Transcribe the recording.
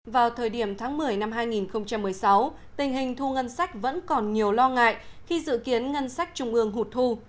vào thời điểm tháng một mươi năm hai nghìn một mươi sáu tình hình thu ngân sách vẫn còn nhiều lo ngại khi dự kiến ngân sách trung ương hụt thu